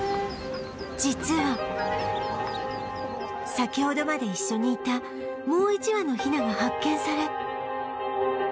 実は先ほどまで一緒にいたもう一羽のヒナが発見され